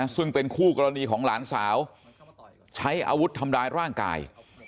ซึ่งเป็นคู่กรณีของหลานสาวใช้อาวุธทำร้ายร่างกาย